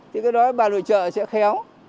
thì cái đó bà nội trợ sẽ khéo